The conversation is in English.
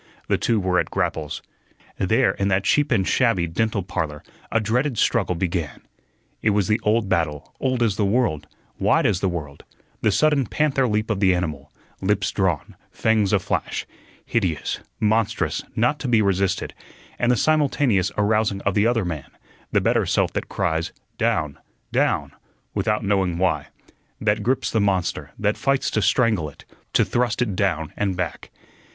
The two were at grapples. There in that cheap and shabby "Dental Parlor" a dreaded struggle began. It was the old battle, old as the world, wide as the world the sudden panther leap of the animal, lips drawn, fangs aflash, hideous, monstrous, not to be resisted, and the simultaneous arousing of the other man, the better self that cries, "Down, down," without knowing why; that grips the monster; that fights to strangle it, to thrust it down and back.